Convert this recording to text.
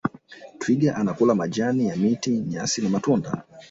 twiga anakula majani ya miti nyasi na matunda